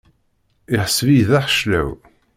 Iḥseb-iyi d axeclaw.